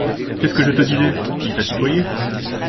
Qu’est-ce que je te disais ! il t’a tutoyé.